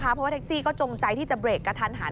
เพราะว่าแท็กซี่ก็จงใจที่จะเบรกกระทันหัน